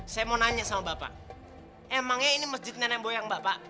saya mau nanya sama bapak emangnya ini masjid nenek boyang bapak